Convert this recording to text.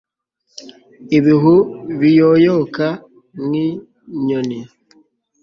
ibihu biyoyoka nk'inyoni